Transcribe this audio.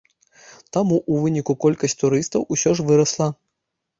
Таму ў выніку колькасць турыстаў усё ж вырасла.